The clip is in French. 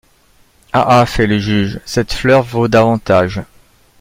Ha! ha ! feit le iuge, ceste fleur vault davantaige.